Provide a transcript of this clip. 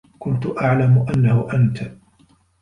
كنت أعلم أنه أنت.